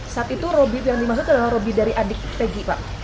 saat itu roby yang dimaksud adalah roby dari adik pegi pak